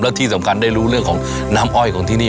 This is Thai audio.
ที่สำคัญได้รู้เรื่องของน้ำอ้อยของที่นี่